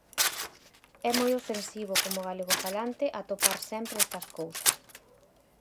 É moi ofensivo, como galegofalante, atopar sempre estas cousas.